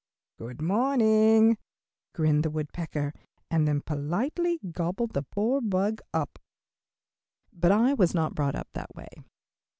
"Good morning," grinned the woodpecker, and then politely gobbled the poor bug up. But I was not brought up that way.